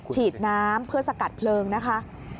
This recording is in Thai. ฉีดน้ำเพื่อสกัดเพลิงนะคะ